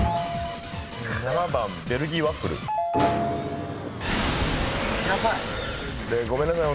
７番ベルギーワッフル。ごめんなさい。